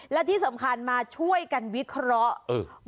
และที่สำคัญมาช่วยกันวิเคราะห์